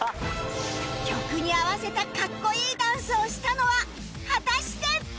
曲に合わせたかっこいいダンスをしたのは果たして